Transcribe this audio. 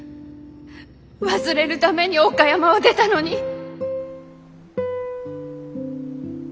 忘れるために岡山を出たのに。